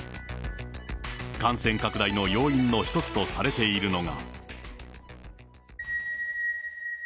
感染拡大の要因の一つとされているのが。